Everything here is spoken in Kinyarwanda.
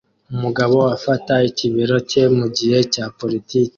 umugabo afata ikibero cye mugihe cya politiki